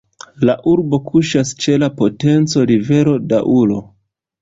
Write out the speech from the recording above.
La urbo kuŝas ĉe la potenca rivero Douro.